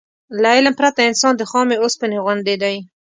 له علم پرته انسان د خامې اوسپنې غوندې دی.